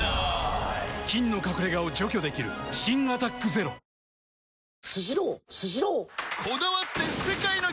菌の隠れ家を除去できる新「アタックＺＥＲＯ」菊池）